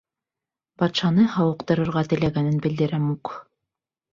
Батшаны һауыҡтырырға теләгәнен белдерә Мук.